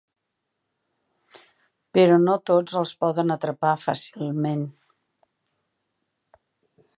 Però no tots els poden atrapar fàcilment.